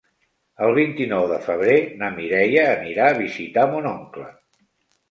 El vint-i-nou de febrer na Mireia anirà a visitar mon oncle.